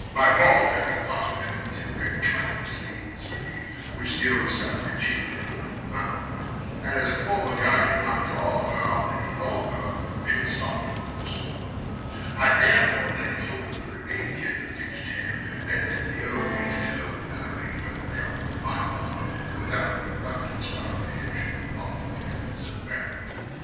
My ball, having passed between the two, had cut his leading string, which the old sow continued to hold in her mouth; and as her former guide did not draw her on any longer, she had stopped of course; I therefore laid hold of the remaining end of the pig's tail, and led the old beast home without any further trouble on my part, and without any reluctance or apprehension on the part of the helpless old animal.